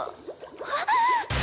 あっ！